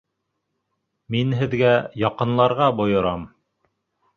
Мин һеҙгә яҡынларға бойорам!